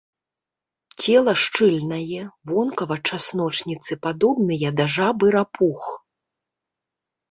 Цела шчыльнае, вонкава часночніцы падобныя да жаб і рапух.